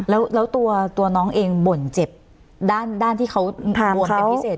แล้วตัวน้องเองบ่นเจ็บด้านที่เขาบวมเป็นพิเศษ